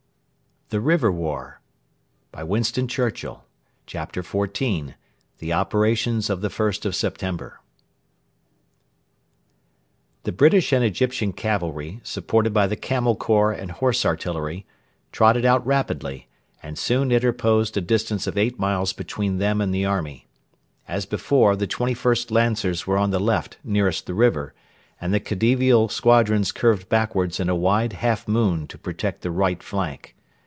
There was war to the southward. CHAPTER XIV: THE OPERATIONS OF THE FIRST OF SEPTEMBER The British and Egyptian cavalry, supported by the Camel Corps and Horse Artillery, trotted out rapidly, and soon interposed a distance of eight miles between them and the army. As before, the 21st Lancers were on the left nearest the river, and the Khedivial squadrons curved backwards in a wide half moon to protect the right flank.